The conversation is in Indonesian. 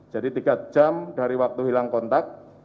jadi tiga jam dari waktu hilang kontak